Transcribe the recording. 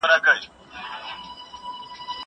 که وخت وي، سينه سپين کوم.